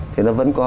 thì nó vẫn có